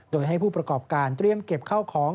โดยให้ผู้ประกอบการเตรียมเก็บข้าวของ